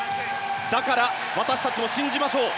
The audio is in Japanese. だから私たちも信じましょう。